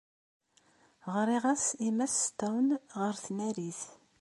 Ɣriɣ-as i Mass Stone ɣer tnarit.